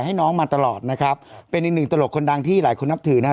ให้น้องมาตลอดนะครับเป็นอีกหนึ่งตลกคนดังที่หลายคนนับถือนะฮะ